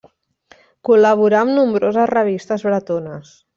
Col·laborà amb nombroses revistes bretones.